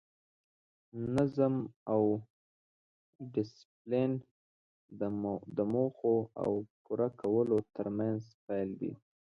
نظم او ډیسپلین د موخو او پوره کولو ترمنځ پل دی.